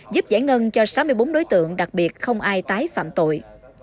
giúp giải ngân cho sáu mươi bốn đối tượng đặc biệt không ai tái phạm tội